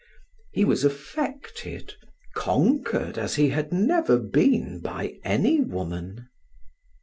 He was affected, conquered as he had never been by any woman.